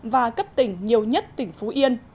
và cấp tỉnh nhiều nhất tỉnh phú yên